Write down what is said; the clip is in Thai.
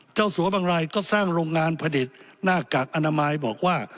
สัวบางรายก็สร้างโรงงานผลิตหน้ากากอนามัยบอกว่า